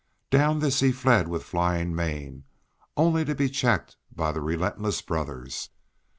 Down this he fled with flying mane, only to be checked by the relentless brothers.